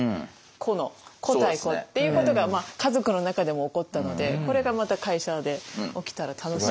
個の個対個っていうことが家族の中でも起こったのでこれがまた会社で起きたら楽しいですよね。